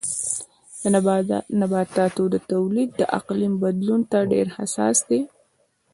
د نباتاتو تولید د اقلیم بدلون ته ډېر حساس دی.